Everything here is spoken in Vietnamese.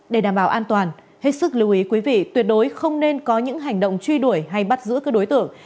để đảm bảo an toàn hết sức lưu ý quý vị tuyệt đối không nên có những hành động truy đuổi hay bắt giữ các đối tượng